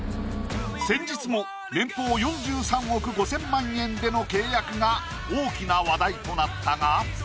先日も年俸４３億５０００万円での契約が大きな話題となったが。